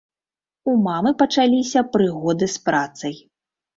У мамы пачаліся прыгоды з працай.